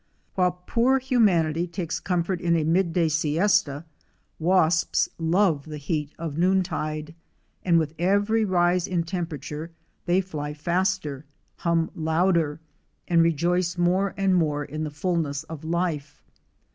While poor humanity takes comfort in a mid day siesta, wasps love the heat of noontide, and with every rise in temperature they fly faster, hum louder, and 2 COMMUNAL LIFE rejoice more and more in the fullness of life.